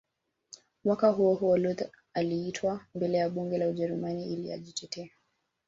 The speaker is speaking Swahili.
Mwaka huohuo Luther aliitwa mbele ya Bunge la Ujerumani ili ajitetee